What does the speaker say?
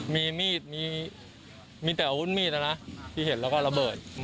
มีมีดมีแต่อาวุธมีดนะนะที่เห็นแล้วก็ระเบิด